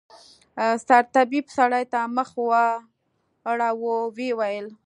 سرطبيب سړي ته مخ واړاوه ويې ويل.